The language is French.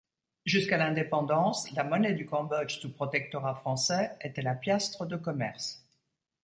Jusqu'à l'indépendance, la monnaie du Cambodge sous protectorat français était la piastre de commerce.